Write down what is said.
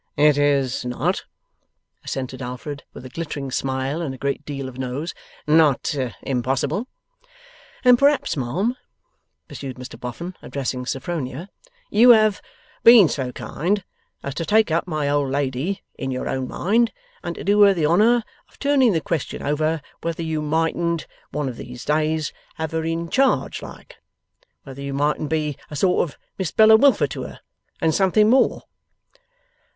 'It is not,' assented Alfred, with a glittering smile and a great deal of nose, 'not impossible.' 'And perhaps, ma'am,' pursued Mr Boffin, addressing Sophronia, 'you have been so kind as to take up my old lady in your own mind, and to do her the honour of turning the question over whether you mightn't one of these days have her in charge, like? Whether you mightn't be a sort of Miss Bella Wilfer to her, and something more?